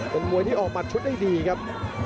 เป็นมวยที่ออกหมัดชุดได้ดีครับ